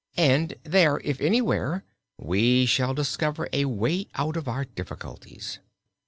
And there, if anywhere, we shall discover a way out of our difficulties."